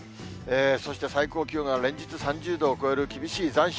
そして最高気温が連日３０度を超える厳しい残暑。